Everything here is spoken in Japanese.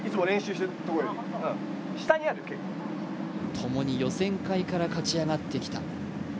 ともに予選会から勝ち上がってきた。